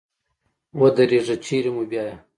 ودرېږه چېري مو بیایې ؟